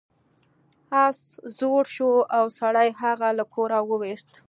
اس زوړ شو او سړي هغه له کوره وویست.